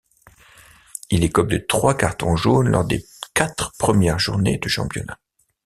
Il écope de trois cartons jaunes lors des quatre premières journées de championnat.